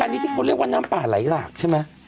อันนี้ที่เขาเรียกว่าน้ำป่าไหลหลากใช่ไหม